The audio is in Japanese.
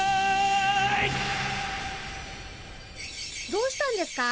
どうしたんですか？